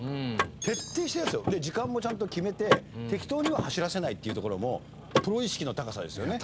で時間もちゃんと決めて適当には走らせないっていうところもプロ意識の高さですよね。